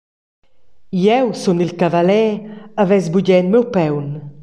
«Jeu sun il cavalè e vess bugen miu paun.»